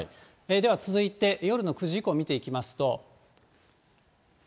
では、続いて夜の９時以降、見ていきますと。